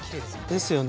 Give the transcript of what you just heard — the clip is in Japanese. ですよね。